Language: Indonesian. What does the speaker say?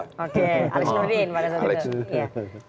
oke alex nurdin pada saat itu